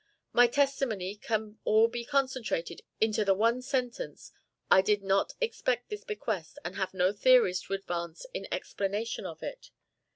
My testimony can all be concentrated into the one sentence, 'I did not expect this bequest, and have no theories to advance in explanation of it.'